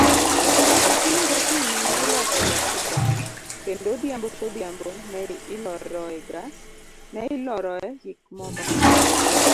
Okinyi ka okinyi ne ilosoga sukano, kendo odhiambo ka odhiambo ne iloroe gik moko.